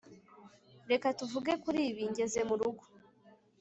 Reka tuvuge kuri ibi ngeze murugo